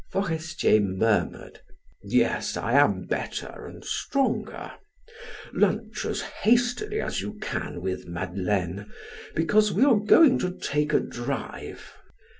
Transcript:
Forestier murmured: "Yes, I am better and stronger. Lunch as hastily as you can with Madeleine, because we are going to take a drive."